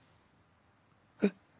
えっ！？